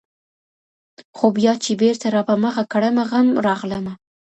خو بيا چي بېرته راپه مخه کړمه غم ، راغلمه